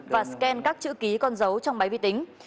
và scan các chữ ký con dấu trong máy vi tính